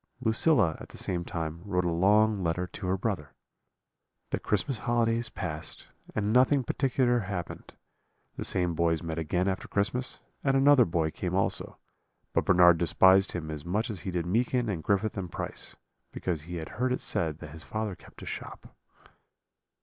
Lucilla at the same time wrote a long letter to her brother. "The Christmas holidays passed, and nothing particular happened; the same boys met again after Christmas, and another boy came also; but Bernard despised him as much as he did Meekin and Griffith and Price, because he had heard it said that his father kept a shop.